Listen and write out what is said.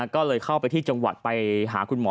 ก็เลยเข้าไปที่จังหวัดไปหาคุณหมอ